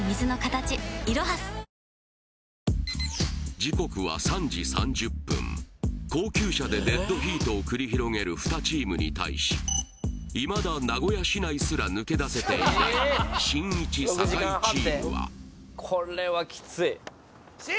時刻は高級車でデッドヒートを繰り広げる２チームに対しいまだ名古屋市内すら抜け出せていないしんいち酒井チームはうん？